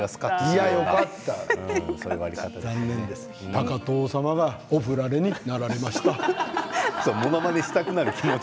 高藤様がお振られになられました。